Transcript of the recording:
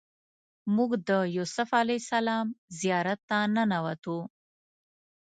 موږ د یوسف علیه السلام زیارت ته ننوتو.